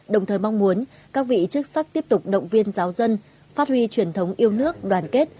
đồng thời mong muốn các vị chức sắc tiếp tục động viên giáo dân phát huy truyền thống yêu nước đoàn kết